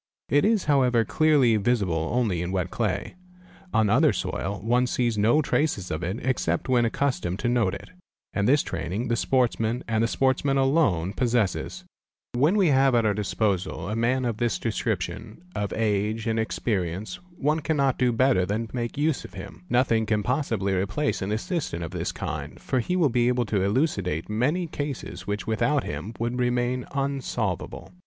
It is however clearly visible only in wet clay. On other soil one sees no traces ol it except when accustomed to note it, and this training the sportsman, and the sportsman alone, possesses. When we have at our disposal a yy FE CONE IRS GE) bE, LT a GRIN ELEN GON NOEL IIE LG) Bite oh we 496 FOOTPRINTS man of this description, of age and experience, one cannot do better than make use of him. Nothing can possibly replace an assistant of this kind, for he will be able to elucidate many cases which without him would remain unsolvable.